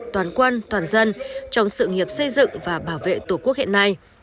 toàn quân toàn dân trong sự nghiệp xây dựng và bảo vệ tổ quốc hiện nay